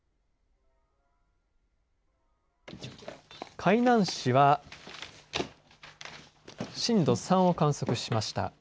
海南市は震度３を観測しました。